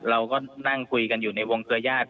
เราก็นั่งคุยกันอยู่ในวงเครือญาติ